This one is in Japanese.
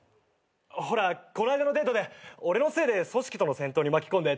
ほらこないだのデートで俺のせいで組織との戦闘に巻き込んで大変だったろ。